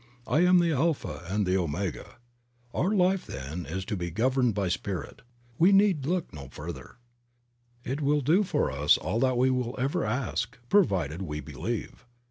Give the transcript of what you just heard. "I am the Alpha and the Omega." Our life, then, is to be governed by Spirit. We need look no further. It will do for us all that we will ever ask, provided we believe.